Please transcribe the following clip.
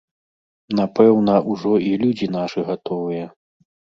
Напэўна, ужо і людзі нашы гатовыя.